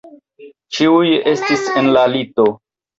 Ĉiuj estis en la lito.